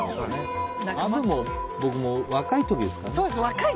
でも、僕も若い時ですからね。